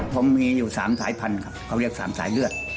ผมมีอยู่๓สายพันธุ์ครับเขาเรียก๓สายเลือด